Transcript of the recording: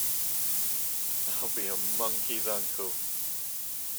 I'll be a monkey's uncle!